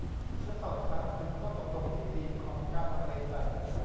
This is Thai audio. ฉันสอบถามถึงข้อตกลงที่ดีของการลังเลใจ